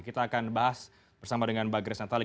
kita akan bahas bersama dengan mbak grace natalik